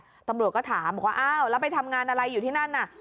ตำรวจก็ถามบอกว่าอ้าวแล้วไปทำงานอะไรอยู่ที่นั่นน่ะ